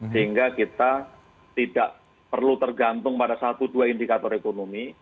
sehingga kita tidak perlu tergantung pada satu dua indikator ekonomi